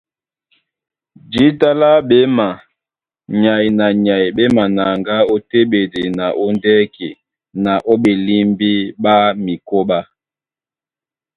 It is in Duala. Jǐta lá ɓéma, nyay na nyay ɓé manaŋgá ó téɓedi na ó ndɛ́ki na ó ɓelímbí ɓá mikóɓá.